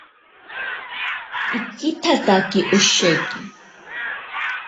Ikitsatake osheki.